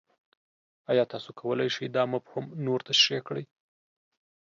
ایا تاسو کولی شئ دا مفهوم نور تشریح کړئ؟